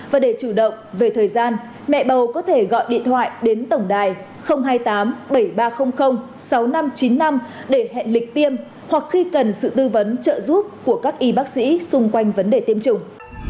và để chủ động về thời gian mẹ bầu có thể gọi điện thoại đến tổng đài hai mươi tám bảy nghìn ba trăm linh sáu nghìn năm trăm chín mươi năm để hẹn lịch tiêm hoặc khi cần sự tư vấn trợ giúp của các y bác sĩ xung quanh vấn đề tiêm chủng